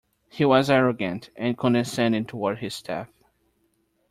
He was arrogant and condescending toward his staff.